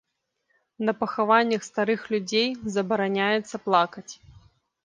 На пахаваннях старых людзей забараняецца плакаць.